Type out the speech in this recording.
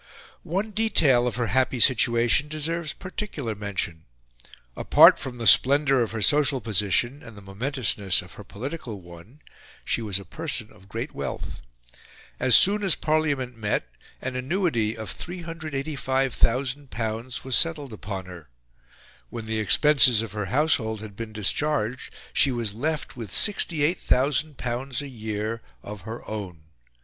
One detail of her happy situation deserves particular mention. Apart from the splendour of her social position and the momentousness of her political one, she was a person of great wealth. As soon as Parliament met, an annuity of L385,000 was settled upon her. When the expenses of her household had been discharged, she was left with L68,000 a year of her own.